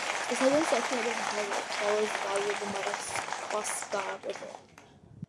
The southern section of the highway follows the valley of the Madawaska River.